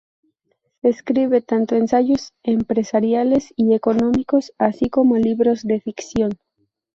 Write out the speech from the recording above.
Escribe tanto ensayos empresariales y económicos, así como libros de ficción.